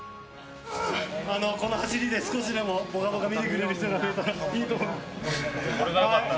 この走りで少しでも「ぽかぽか」見てくれる人が増えたらいいと思って。